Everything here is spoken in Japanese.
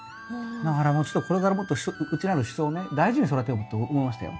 だからもうちょっとこれからもっとうちにあるシソをね大事に育てようって思いましたよ。